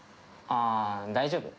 ああ大丈夫。